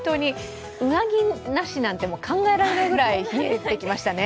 上着なしなんて、もう考えられないくらい冷えてきましたね。